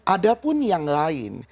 ada pun yang lain